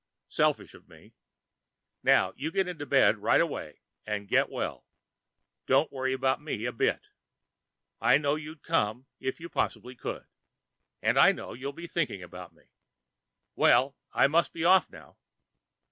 Selfish of me. Now you get into bed right away and get well. Don't worry about me a bit. I know you'd come if you possibly could. And I know you'll be thinking about me. Well, I must be off now."